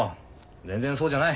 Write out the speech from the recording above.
全然そうじゃない。